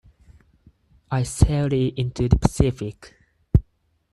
I sailed it into the Pacific ...